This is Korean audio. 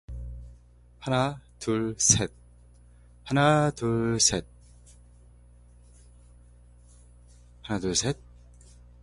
하나, 둘, 셋